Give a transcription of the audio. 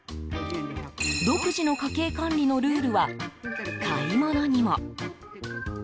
独自の家計管理のルールは買い物にも。